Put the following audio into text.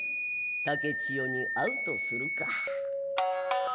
竹千代に逢うとするか」。